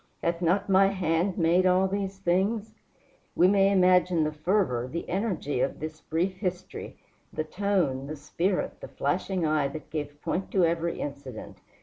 Hath not my hand made all these things?" We may imagine the fervor, the energy of this brief history, the tone, the spirit, the flashing eye that gave point to every incident.